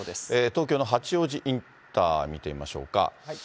東京の八王子インター、見てみましょうか。